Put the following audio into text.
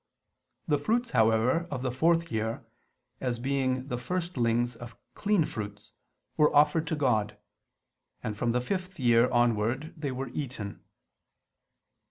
The fruits, however, of the fourth year, as being the firstlings of clean fruits, were offered to God: and from the fifth year onward they were eaten.